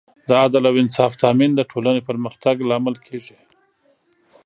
د عدل او انصاف تامین د ټولنې پرمختګ لامل کېږي.